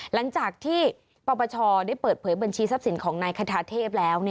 หลังจากที่ปปชได้เปิดเผยบัญชีทรัพย์สินของนายคทาเทพแล้ว